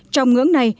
trong ngưỡng này